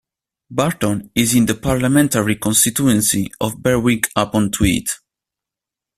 Burton is in the parliamentary constituency of Berwick-upon-Tweed.